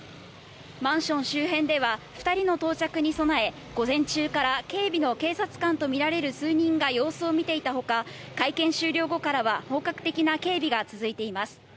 マンション周辺では、２人の到着に備え、午前中から警備の警察官と見られる数人が様子を見ていたほか、会見終了後からは、本格的な警備が続いています。